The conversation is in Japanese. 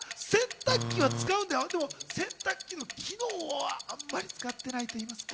洗濯機の機能をあんまり使っていないと言いますか。